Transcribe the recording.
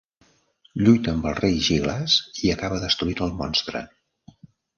Lluita amb el rei Jyglas i acaba destruint el monstre.